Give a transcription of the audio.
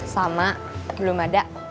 sama belum ada